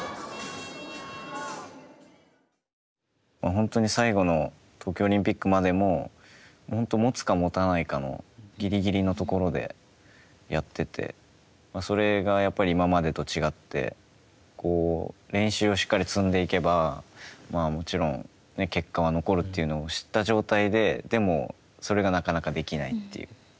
本当に最後の東京オリンピックまでももつかもたないかのぎりぎりのところでやってて、それがやっぱり今までと違って練習をしっかり積んでいけばもちろん結果は残るというのを知った状態で、でも、それがなかなかできないという。